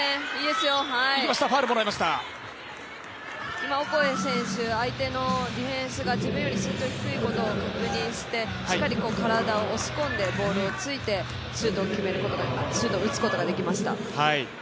今、おこえ選手、相手のディフェンスが自分より身長が低いことを確認して、しっかり体を押し込んでボールをついてシュートを打つことができました。